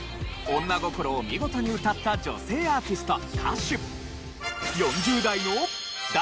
女心を見事に歌った女性アーティスト・歌手。